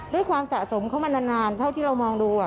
ด้วยความสะสมเขามานานนานเท่าที่เรามองดูอ่ะ